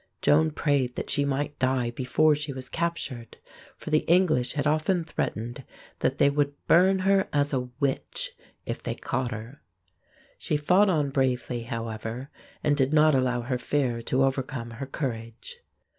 Joan prayed that she might die before she was captured; for the English had often threatened that they would burn her as a witch if they caught her. She fought on bravely, however, and did not allow her fear to overcome her courage.